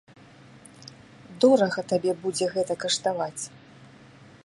Дорага табе будзе гэта каштаваць.